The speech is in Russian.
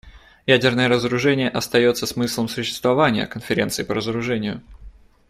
Ядерное разоружение остается смыслом существования Конференции по разоружению.